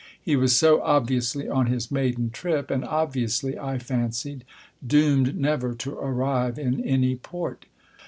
He was so obviously on his maiden trip, and obviously, I fancied, doomed never to arrive in any port.